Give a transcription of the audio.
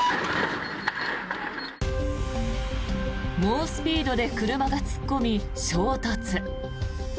猛スピードで車が突っ込み衝突。